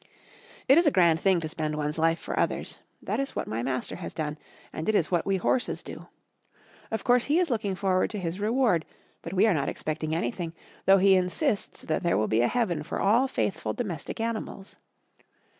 It is a grand thing to spend one's life for others; that is what my master has done, and it is what we horses do. Of course he is looking forward to his reward, but we are not expecting anything, though he insists that there will be a heaven for all faithful domestic animals.